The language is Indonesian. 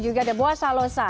juga ada buasalosa